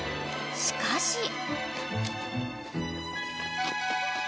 ［しかし］